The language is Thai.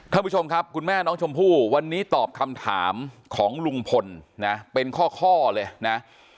ท่านผู้ชมครับคุณแม่น้องชมพู่วันนี้ตอบคำถามของลุงพลนะเป็นข้อเลยนะ